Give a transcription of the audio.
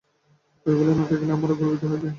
ঐগুলি না থাকিলেও আমাদের অগ্রগতি হইবে।